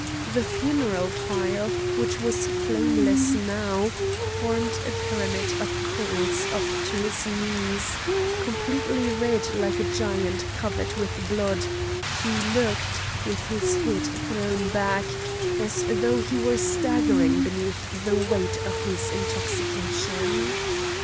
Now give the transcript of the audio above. The funeral pile, which was flameless now, formed a pyramid of coals up to his knees; completely red like a giant covered with blood, he looked, with his head thrown back, as though he were staggering beneath the weight of his intoxication.